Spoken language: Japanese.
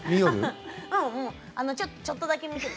ちょっとだけ見てた。